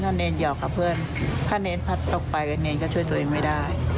ถ้าเณรหยอกกับเพื่อนถ้าเณรผัดออกไปเกือบเกี่ยวกับทุกคนไม่ได้